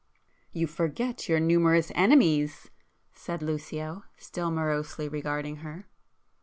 "You forget your numerous enemies!" said Lucio, still morosely regarding her.